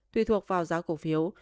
tuy thuộc vào giá cổ phiếu